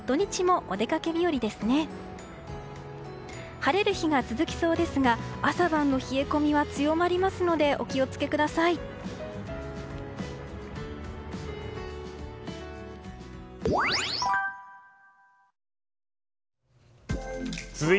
晴れる日が続きそうですが朝晩の冷え込みは強まりますのでお気を付けください。